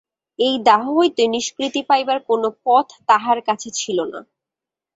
এই দাহ হইতে নিষ্কৃতি পাইবার কোনো পথ তাহার কাছে ছিল না।